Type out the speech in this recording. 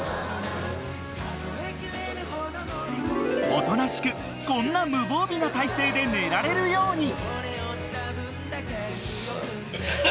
［おとなしくこんな無防備な体勢で寝られるように］